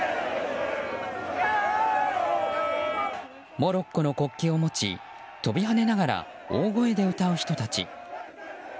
モロッコの国旗を持ち飛び跳ねながら大声で歌う人たち。